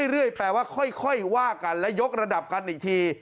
เรื่อยแปลว่าค่อยว่ากันและยกระดับกันอีกที